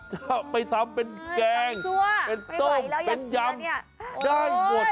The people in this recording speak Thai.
จะไปทำเป็นแกงเป็นต้มเป็นยำได้หมด